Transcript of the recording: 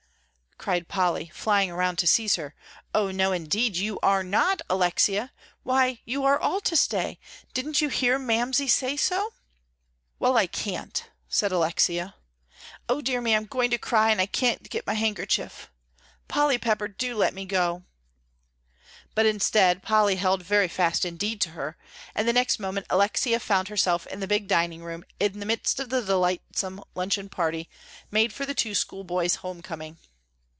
cried Polly, flying around to seize her. "Oh, no, indeed, you are not, Alexia. Why, you are all to stay; didn't you hear Mamsie say so?" "Well, I can't," said Alexia. "O dear me, I'm going to cry, and I can't get my handkerchief. Polly Pepper, do let me go!" But instead, Polly held very fast indeed to her, and the next moment Alexia found herself in the big dining room, in the midst of the delightsome luncheon party made for the two schoolboys' home coming.